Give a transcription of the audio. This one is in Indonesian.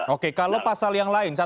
oke kalau pasal yang lain